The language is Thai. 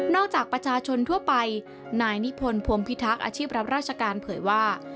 จากประชาชนทั่วไปนายนิพนธ์พรมพิทักษ์อาชีพรับราชการเผยว่า